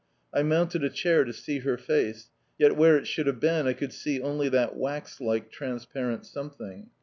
I mounted a chair to see her face, yet where it should have been I could see only that wax like, transparent something.